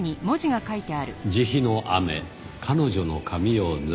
『慈悲の雨、彼女の髪を濡らせ』。